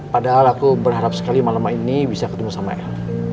padahal aku berharap sekali malam ini bisa ketemu sama el